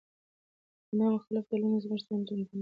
د خندا مختلف ډولونه زموږ ژوند رنګینوي.